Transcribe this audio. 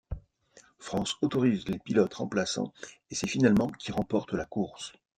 France autorise les pilotes remplaçants et c'est finalement qui remporte la course.